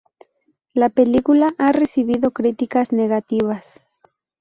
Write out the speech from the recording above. La película ha recibido críticas negativas.